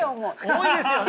重いですよね。